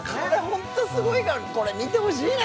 ホントすごいからこれ見てほしいな。